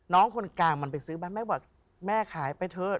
น้องคนกลางมันไปซื้อบ้านแม่บอกแม่ขายไปเถอะ